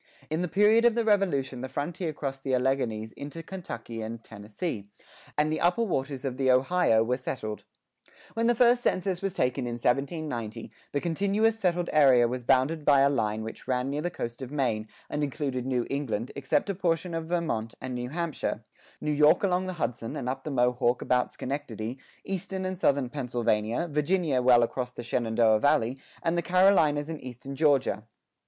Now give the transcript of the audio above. In the period of the Revolution the frontier crossed the Alleghanies into Kentucky and Tennessee, and the upper waters of the Ohio were settled.[5:6] When the first census was taken in 1790, the continuous settled area was bounded by a line which ran near the coast of Maine, and included New England except a portion of Vermont and New Hampshire, New York along the Hudson and up the Mohawk about Schenectady, eastern and southern Pennsylvania, Virginia well across the Shenandoah Valley, and the Carolinas and eastern Georgia.